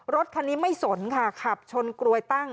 รถคันนี้ไม่สนค่ะขับชนกรวยตั้ง